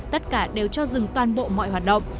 tất cả đều cho dừng toàn bộ mọi hoạt động